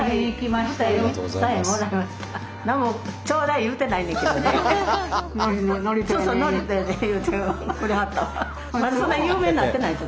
まだそんなに有名になってない時。